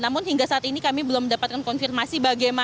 namun hingga saat ini kami belum mendapatkan konfirmasi